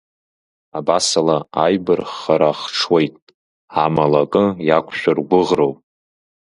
Абасала аибарххара хҽуеит, амала акы иақәшәыргәыӷроуп.